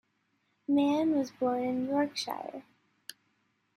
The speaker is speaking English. Mann was born in Yorkshire.